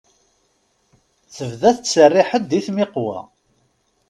Tebda tettserriḥ-d i tmiqwa.